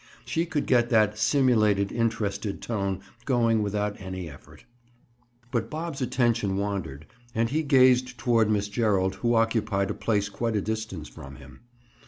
She could get that simulated interested tone going without any effort. But Bob's attention wandered, and he gazed toward Miss Gerald who occupied a place quite a distance from him.